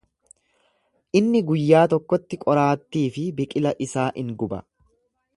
Inni guyyaa tokkotti qoraattii fi biqila isaa in guba.